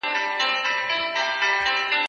زه پرون سړو ته خواړه ورکړې؟